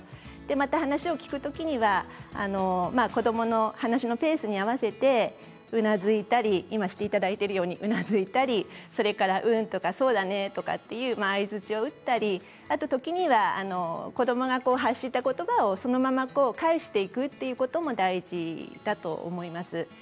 また、話を聞くときには子どもの話のペースに合わせてうなずいたり今、していただいているようにうなずいたりうん、そうだねとか相づちを打ったりあと、ときには子どもが発したことばをそのまま返していくということも大事だと思います。